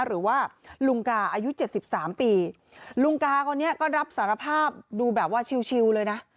หรือว่าลุงกาอายุเจ็ดสิบสามปีลุงกาคนนี้ก็รับสารภาพดูแบบว่าชิวเลยนะ